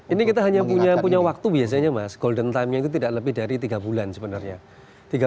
ini kita hanya punya waktu biasanya mas golden time nya itu tidak lebih dari tiga bulan sebenarnya